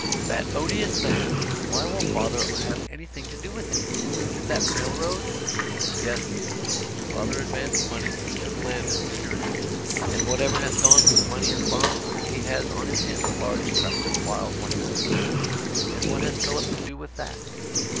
"That odious man! Why will father have anything to do with him? Is it that railroad?" "Yes. Father advanced money and took land as security, and whatever has gone with the money and the bonds, he has on his hands a large tract of wild land." "And what has Philip to do with that?"